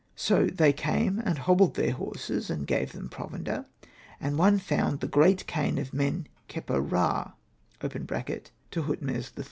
So they came, and hobbled their horses, and gave them provender, and one found the great cane of Men kheper ra (Tahutmes III.)